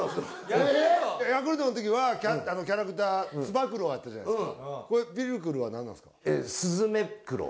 えっヤクルトの時はキャラクターつば九郎あったじゃないですかピルクルは何なんすか？